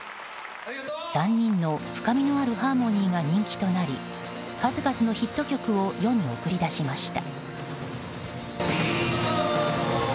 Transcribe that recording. ３人の深みのあるハーモニーが人気となり数々のヒット曲を世に送り出しました。